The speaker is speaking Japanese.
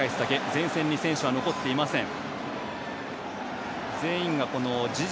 前線に選手は残っていません。